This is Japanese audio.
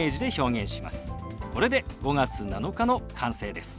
これで「５月７日」の完成です。